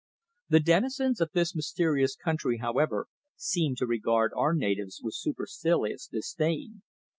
The denizens of this mysterious country, however, seemed to regard our natives with supercilious disdain.